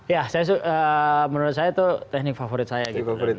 ya menurut saya itu teknik favorit saya gitu